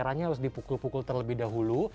caranya harus dipukul pukul terlebih dahulu